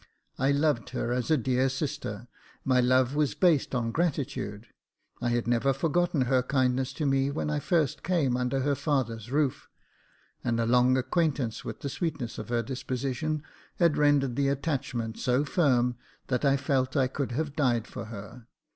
I loved her as a dear sister ; my love was based on gratitude. I had never forgotten her kindness to me when I first came under her father's roof, and a long acquaintance with the sweetness of her disposition had rendered the attachment so firm, that I felt I could have died for her.